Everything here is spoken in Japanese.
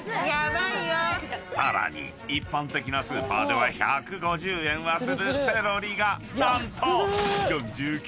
［さらに一般的なスーパーでは１５０円はするセロリが何と］